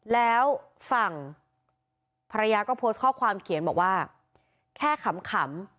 แล้วฝั่งภรรยาก็โพสต์ข้อความเขียนบอกว่าแค่ขำ